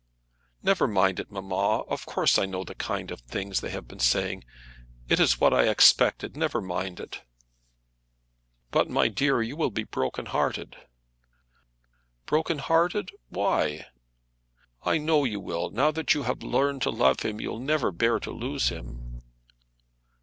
"Never mind it, mamma: of course I know the kind of things they have been saying. It was what I expected. Never mind it." "But, my dear, you will be broken hearted." "Broken hearted! Why?" "I know you will. Now that you have learned to love him, you'll never bear to lose him."